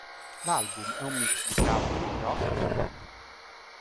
L'album è un mix di country, rock e pop.